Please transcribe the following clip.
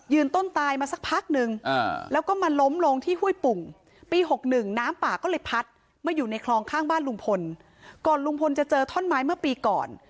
ต้นตายมาสักพักนึงแล้วก็มาล้มลงที่ห้วยปุ่งปี๖๑น้ำป่าก็เลยพัดมาอยู่ในคลองข้างบ้านลุงพลก่อนลุงพลจะเจอท่อนไม้เมื่อปีก่อน